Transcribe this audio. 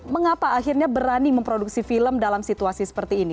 mengapa akhirnya berani memproduksi film dalam situasi seperti ini